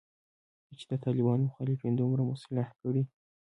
چې د طالبانو مخالفین دومره مسلح کړي